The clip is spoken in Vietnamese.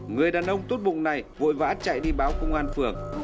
người đàn ông tốt bụng này vội vã chạy đi báo công an phường